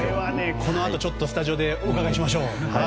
このあとスタジオでお伺いしましょう。